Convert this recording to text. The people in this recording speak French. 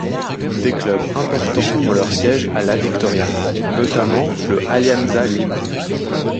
Des clubs importants ont leur siège à La Victoria, notamment le Alianza Lima.